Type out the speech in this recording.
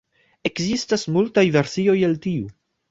Ekzistas multaj versioj el tiu.